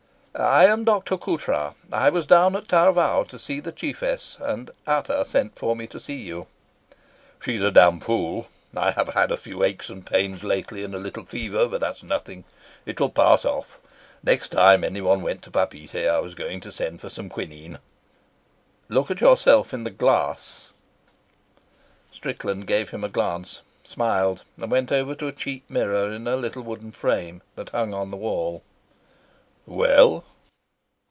"I am Dr. Coutras. I was down at Taravao to see the chiefess, and Ata sent for me to see you." "She's a damned fool. I have had a few aches and pains lately and a little fever, but that's nothing; it will pass off. Next time anyone went to Papeete I was going to send for some quinine." "Look at yourself in the glass." Strickland gave him a glance, smiled, and went over to a cheap mirror in a little wooden frame, that hung on the wall. "Well?"